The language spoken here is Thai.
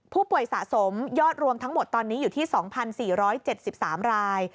ผู้ป่วยสะสมยอดรวมทั้งหมดตอนนี้อยู่ที่๒๔๗๓ราย